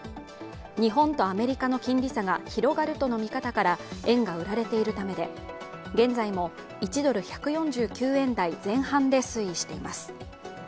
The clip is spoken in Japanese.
日本とアメリカの金利差が広がるとの見方から円が売られているためで、現在も１ドル＝１４９円台前半で推移しています。